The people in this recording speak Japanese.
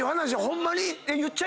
ホンマに。